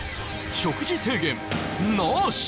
食事制限なし